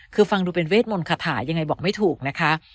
คือฟังดูเป็นเวทมนต์คาถายังไงบอกไม่ถูกนะคะ